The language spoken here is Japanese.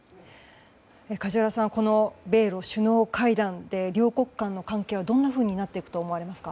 梶原さん、米露首脳会談で両国間の関係はどんなふうになっていくと思われますか？